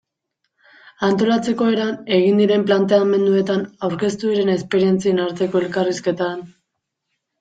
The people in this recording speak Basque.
Antolatzeko eran, egin diren planteamenduetan, aurkeztu diren esperientzien arteko elkarrizketan...